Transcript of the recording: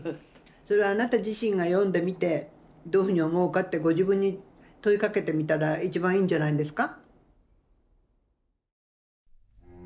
それはあなた自身が読んでみてどういうふうに思うかってご自分に問いかけてみたら一番いいんじゃないんですか？